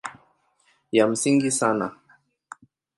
Ya msingi sana